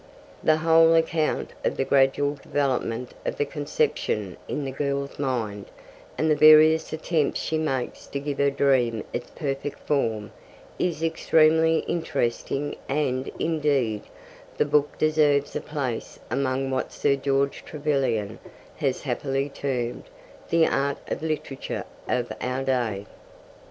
The whole account of the gradual development of the conception in the girl's mind, and the various attempts she makes to give her dream its perfect form, is extremely interesting and, indeed, the book deserves a place among what Sir George Trevelyan has happily termed 'the art literature' of our day.